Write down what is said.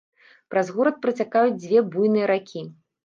Праз горад працякаюць дзве буйныя ракі.